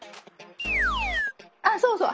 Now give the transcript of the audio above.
あっそうそう。